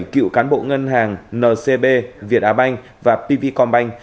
một mươi bảy cựu cán bộ ngân hàng ncb việt á banh và pvnh